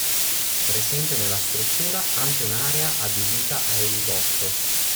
Presente nella struttura anche un'area adibita a eliporto.